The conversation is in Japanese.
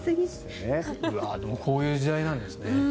でも、こういう時代なんですね。